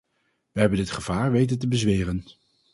Wij hebben dit gevaar weten te bezweren.